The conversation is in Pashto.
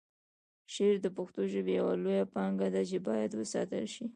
شعر د پښتو ژبې یوه لویه پانګه ده چې باید وساتل شي.